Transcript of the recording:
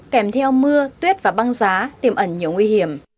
kèm theo mưa tuyết và băng giá tiềm ẩn nhiều nguy hiểm